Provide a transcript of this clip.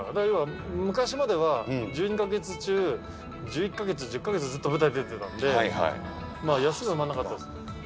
要は、昔までは１２か月中１１か月、１０か月ずっと舞台出てたんで、休む間がなかったんです。